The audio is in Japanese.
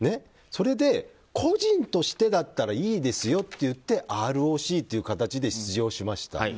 それで個人としてだったらいいですよっていってＲＯＣという形で出場しました。